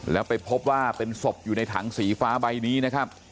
แล้วไปพบว่าเป็นศพอยู่ในถังสีฟ้าใบนี้นะครับ